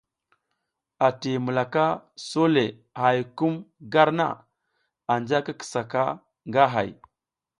Anti mulaka a so le a hay kum gar na, anja ki kisa ka nga hay.